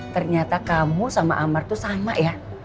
ternyata kamu sama amar itu sama ya